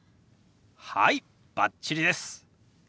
はいバッチリです！